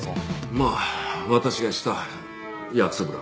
まあ私がした約束だからね。